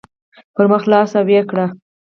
پر مخ لاړ شئ او ويې کړئ.